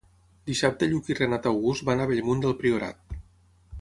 Dissabte en Lluc i en Renat August van a Bellmunt del Priorat.